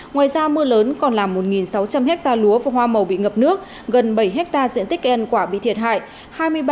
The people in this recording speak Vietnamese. ngoài ra mưa lớn còn làm một sáu trăm linh ha lúa và hoa màu bị ngập nước gần bảy ha diện tích en quả bị thiệt hại